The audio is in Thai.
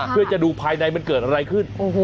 เพื่อจะดูภายในมันเกิดอะไรขึ้น